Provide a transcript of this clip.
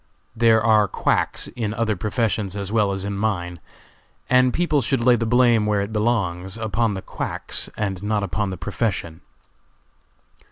There are quacks in other professions as well as in mine, and people should lay the blame where it belongs, upon the quacks, and not upon the profession.